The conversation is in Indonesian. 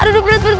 aduh berat berat